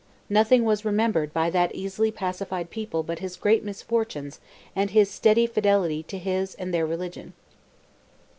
Nothing was remembered by that easily pacified people but his great misfortunes and his steady fidelity to his and their religion.